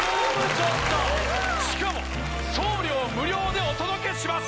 ちょっとしかも送料無料でお届けします